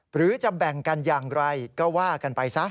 หรือจะแบ่งกันอย่างไรก็ว่ากันไปซะ